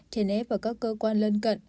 trên ép và các cơ quan lân cận